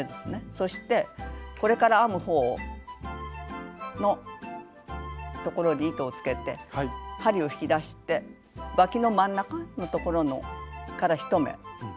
そしてこれから編む方のところに糸をつけて針を引き出してわきの真ん中のところから１目拾います。